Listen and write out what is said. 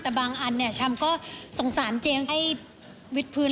แต่บางอันชามก็สงสารเจมส์ให้วิทพื้น